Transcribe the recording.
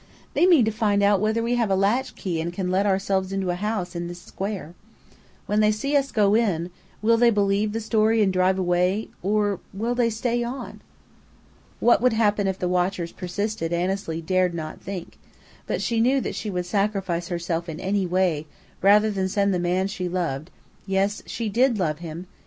"They mean to find out whether we have a latchkey and can let ourselves into a house in this square. When they see us go in, will they believe the story and drive away, or will they stay on?" What would happen if the watchers persisted Annesley dared not think; but she knew that she would sacrifice herself in any way rather than send the man she loved (yes, she did love him!)